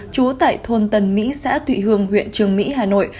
chúa tại thôn tần mỹ xã thụy hương huyện trường mỹ hà nội